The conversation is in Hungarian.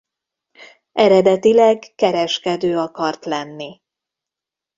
Eredetileg kereskedő akart lenni.